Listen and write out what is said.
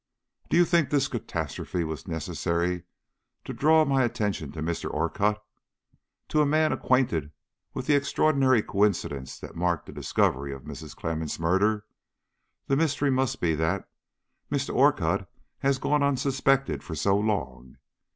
"Do you think this catastrophe was necessary to draw my attention to Mr. Orcutt? To a man acquainted with the extraordinary coincidence that marked the discovery of Mrs. Clemmens' murder, the mystery must be that Mr. Orcutt has gone unsuspected for so long."